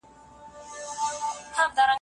تش د حسن او ښکلا سوداګر نه يو